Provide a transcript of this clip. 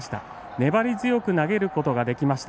粘り強く投げることができました。